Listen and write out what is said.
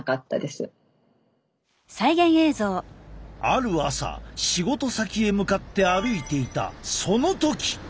ある朝仕事先へ向かって歩いていたその時。